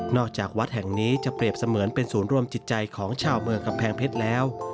จากวัดแห่งนี้จะเปรียบเสมือนเป็นศูนย์รวมจิตใจของชาวเมืองกำแพงเพชรแล้ว